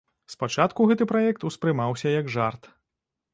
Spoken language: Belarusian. Спачатку гэты праект успрымаўся як жарт.